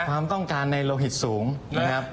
ความต้องการในโลหิตสูงนะครับ